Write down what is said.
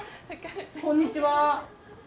こんにちは。